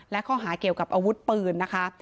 และข้อหาเกี่ยวกับอาวุธปืนนะคะ